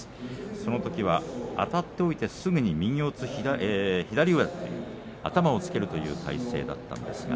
そのときはあたっておいてすぐに右四つ左上手、頭をつけるという体勢でした。